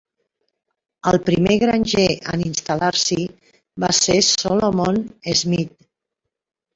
El primer granger en instal·lar-s'hi va ser Solomon Smith.